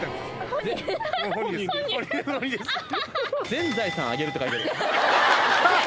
「全財産あげる」って書いてる。